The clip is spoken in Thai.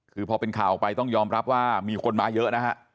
คือพอเป็นข่าวออกไปต้องยอมรับว่ามีคนมาเยอะนะฮะ